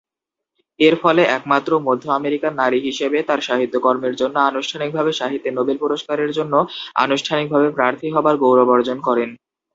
এরফলে একমাত্র মধ্য আমেরিকান নারী হিসেবে তার সাহিত্যকর্মের জন্য আনুষ্ঠানিকভাবে সাহিত্যে নোবেল পুরস্কারের জন্য আনুষ্ঠানিকভাবে প্রার্থী হবার গৌরব অর্জন করেন।